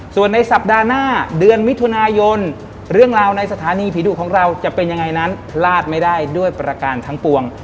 ส่วนในสัปดาห์หน้าเดือนมิถุนายนเรื่องราวในสถานีผีดุของเราจะเป็นยังไงนั้นพลาดไม่ได้ด้วยประการทั้งปวง